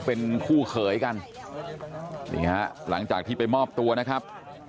ผมย่อมรับครับครับ